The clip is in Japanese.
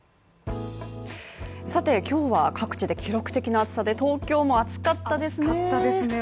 さて、今日は各地で記録的な暑さで東京も暑かったですね。